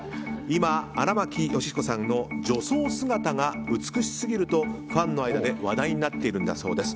今、荒牧慶彦さんの女装姿が美しすぎるとファンの間で話題になっているそうです。